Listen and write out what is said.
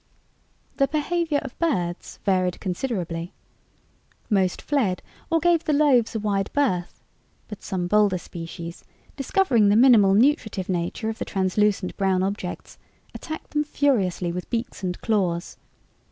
The behavior of birds varied considerably. Most fled or gave the loaves a wide berth, but some bolder species, discovering the minimal nutritive nature of the translucent brown objects, attacked them furiously with beaks and claws.